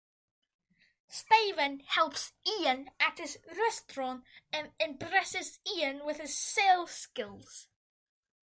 Steven helps Ian at his restaurant and impresses Ian with his sales skills.